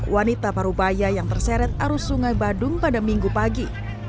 wanita parubaya yang terseret arus sungai badung pada minggu pagi